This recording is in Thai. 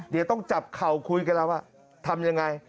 เดี๋ยวต้องจับเข่าคุยกับเราว่าทำยังไง